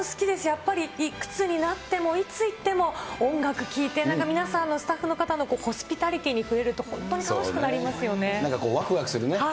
やっぱりいくつになっても、いつ行っても、音楽聴いて、皆さんの、スタッフの方のホスピタリティーに触れると本当に楽しくなりますなんかこうわくわくするね。